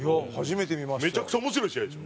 めちゃくちゃ面白い試合でしょ。